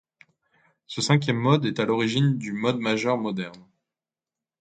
Ce cinquième mode est à l'origine du mode majeur moderne.